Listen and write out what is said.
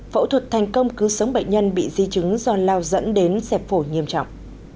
phẫu thuật thành công cứu sống bệnh nhân bị di chứng do lao dẫn đến xẹp phổi nghiêm trọng